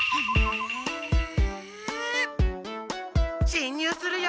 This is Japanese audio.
しんにゅうするよ！